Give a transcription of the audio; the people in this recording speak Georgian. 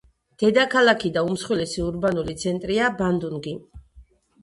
დედაქალაქი და უმსხვილესი ურბანული ცენტრია ბანდუნგი.